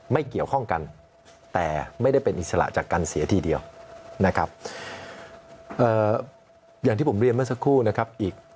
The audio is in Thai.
ไม่เกี่ยวข้องกันแต่ไม่ได้เป็นอิสระจากกันเสียทีเดียวนะครับ